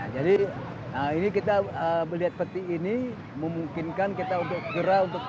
jadi ini kita melihat peti ini memungkinkan kita gerak untuk